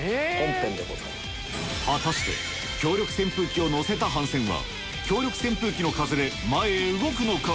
果たして強力扇風機を載せた帆船は強力扇風機の風で前へ動くのか？